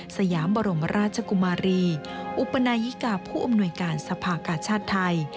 สยามบรมราชกุมารีอุปนายิกาผู้อำนวยการสภากาชาติไทย